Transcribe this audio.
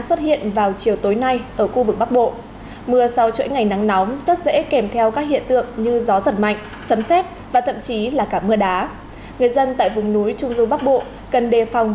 xin chào và hẹn gặp lại trong các bộ phim tiếp theo